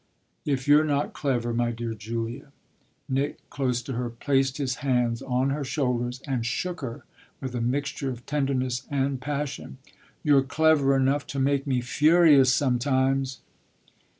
"If you're not clever, my dear Julia ?" Nick, close to her, placed his hands on her shoulders and shook her with a mixture of tenderness and passion. "You're clever enough to make me furious, sometimes!"